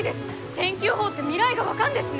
天気予報って未来が分かんですね！